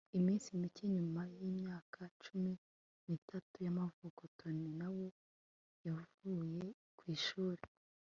iminsi mike nyuma yimyaka cumi n'itatu y'amavuko, tony na we yavuye ku ishuri